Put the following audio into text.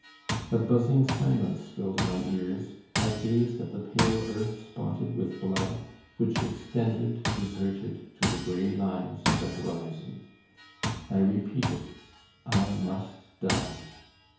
A buzzing silence filled my ears; I gazed at the pale earth spotted with blood, which extended, deserted, to the grey lines of the horizon. I repeated: "I must die."